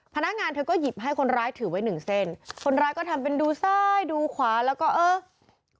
พนักงานเธอก็หยิบให้คนร้ายถือไว้หนึ่งเส้นคนร้ายก็ทำเป็นดูซ้ายดูขวาแล้วก็เออ